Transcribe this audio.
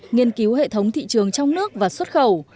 nghiên cứu hệ thống thị trường trong nước và xuất khẩu